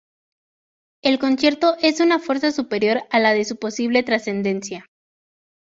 El concierto es de una fuerza superior a la de su posible trascendencia.